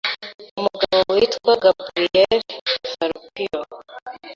umugabo witwa Gabriele Fallopio